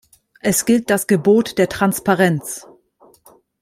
Es gilt das Gebot der Transparenz.